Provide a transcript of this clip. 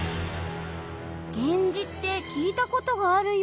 源氏って聞いた事があるような。